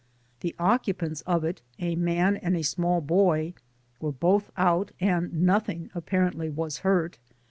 The occupants of it, a man and a small boy, were both out and nothing, apparently, was hurt.